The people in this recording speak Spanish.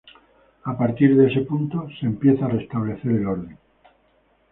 A partir de este punto, se empieza a restablecer la orden.